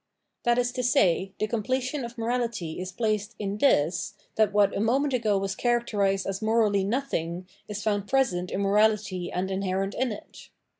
That is to say, the completion of morality is placed in this, that what a moment ago was character ised as morally nothing is found present in morahty and inherent in it.